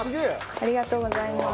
ありがとうございます。